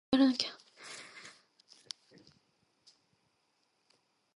Denise then reveals she is pregnant so Patrick supports her.